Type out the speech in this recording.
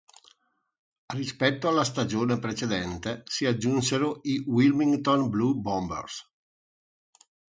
Rispetto alla stagione precedente si aggiunsero i Wilmington Blue Bombers.